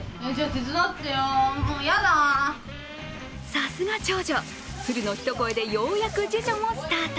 さすが長女、鶴の一声でようやく次女もスタート。